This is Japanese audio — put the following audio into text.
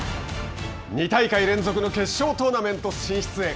２大会連続の決勝トーナメント進出へ。